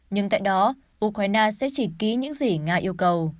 nhưng tại đó ukraine sẽ chỉ ký những gì nga yêu cầu